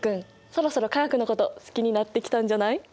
そろそろ化学のこと好きになってきたんじゃない？